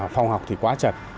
phòng học thì quá chật